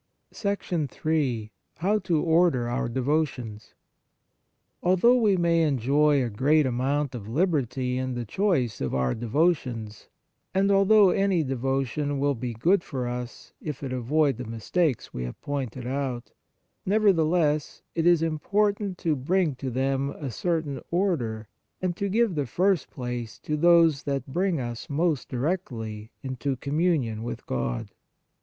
Ill How to order our Devotions Although we may enjoy a great amount of liberty in the choice of our devotions, and although any devotion will be good for us if it avoid the mistakes we have pointed out, never theless it is important to bring to them a certain order and to give the first place to those that bring us most directly into communion with God.